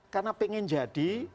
karena pengen jadi